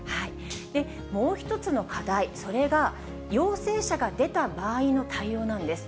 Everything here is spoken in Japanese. もう一つの課題、それが陽性者が出た場合の対応なんです。